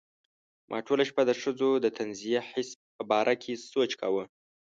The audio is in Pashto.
ما ټوله شپه د ښځو د طنزیه حس په باره کې سوچ کاوه.